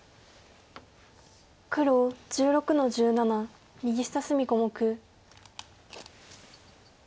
黒１６の十七右下隅小目。